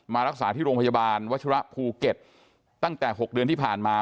รักษาที่โรงพยาบาลวัชระภูเก็ตตั้งแต่๖เดือนที่ผ่านมา